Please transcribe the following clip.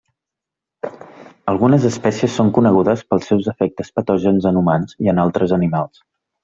Algunes espècies són conegudes pels seus efectes patògens en humans i altres animals.